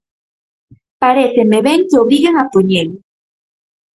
Paréceme ben que obriguen a poñelo.